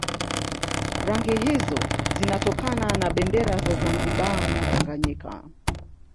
Rangi hizo zinatokana na bendera za Zanzibar na Tanganyika